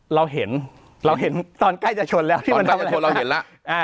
เราเห็นเราเห็นตอนใกล้จะชนแล้วที่มันกำลังจะชนเราเห็นแล้ว